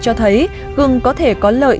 cho thấy gừng có thể có lợi